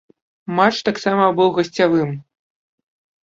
Матч таксама быў гасцявым.